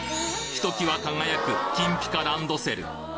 ひときわ輝く金ピカランドセル